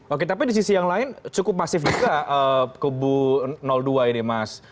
oke tapi di sisi yang lain cukup masif juga kubu dua ini mas